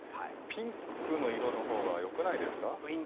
ピンクの色のほうが良くないですか？